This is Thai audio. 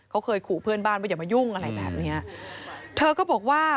เขาเคยขู่เพื่อนบ้านว่าอย่ามายุ่งอะไรแบบเนี้ยเธอก็บอกว่า